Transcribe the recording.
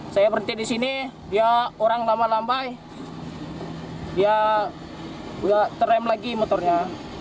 saya berhenti di sini dia orang lama lama dia terrem lagi motornya